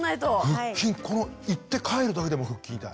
腹筋行って帰るだけでも腹筋痛い。